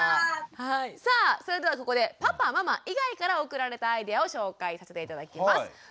さあそれではここでパパママ以外から送られたアイデアを紹介させて頂きます。